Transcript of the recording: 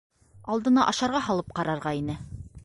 Алдына ашарға һалып ҡарарға ине.